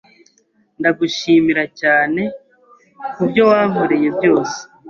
Ndagushimira cyane kubyo wankoreye byose.